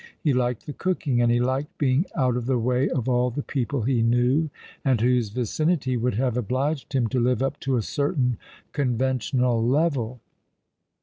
He liked the cooking, and he liked being out of the way of all the people he knew, and whose vicinity would have obliged him to live up to a certain con ventional level.